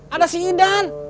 ada si idan